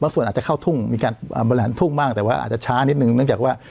บริหารทุ่งบ้างแต่ว่าอาจจะช้านิดหนึ่งนึกจากว่า